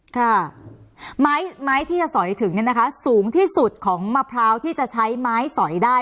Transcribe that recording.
ค่ะไม้ที่จะสอยถึงเนี่ยนะคะสูงที่สุดของมะพร้าวที่จะใช้ไม้สอยได้